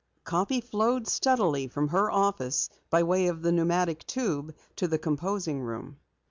Copy flowed steadily from her office by way of the pneumatic tube to the composing room.